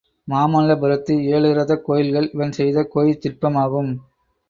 மாமல்லபுரத்து ஏழு ரதக் கோயில்கள் இவன் செய்த கோயிற் சிற்பம் ஆகும்.